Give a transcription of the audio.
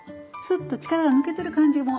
スッと力が抜けてる感じ。